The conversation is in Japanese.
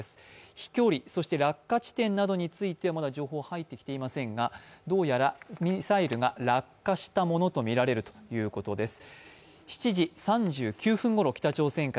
飛距離、落下地点などについてまだ情報は入ってきていませんが、どうやらミサイルが落下したものとみられるということです。